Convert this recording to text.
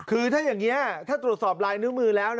คือถ้าอย่างนี้ถ้าตรวจสอบลายนิ้วมือแล้ว